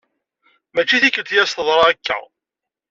Mačči tikkelt i as-teḍra akka.